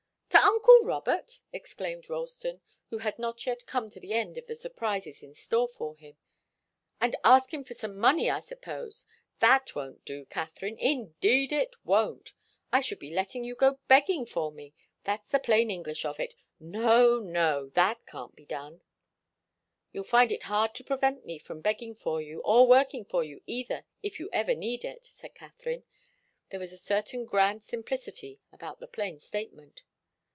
"To uncle Robert!" exclaimed Ralston, who had not yet come to the end of the surprises in store for him. "And ask him for some money, I suppose? That won't do, Katharine. Indeed it won't. I should be letting you go begging for me. That's the plain English of it. No, no! That can't be done." "You'll find it hard to prevent me from begging for you, or working for you either, if you ever need it," said Katharine. There was a certain grand simplicity about the plain statement.